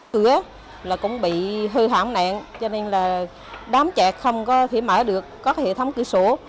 tửa cũng bị hư hỏng nặng cho nên là đám chạy không có thể mở được các hệ thống cửa sổ